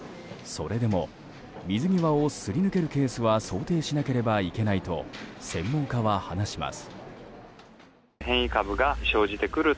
それでも、水際をすり抜けるケースは想定しなければいけないと専門家は話します。